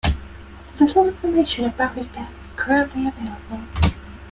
Little information about his death is currently available.